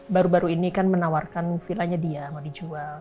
baru baru ini kan menawarkan villanya dia mau dijual